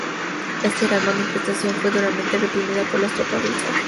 Esta gran manifestación fue duramente reprimida por las tropas del zar.